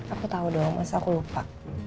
aku tau doang masa aku lupa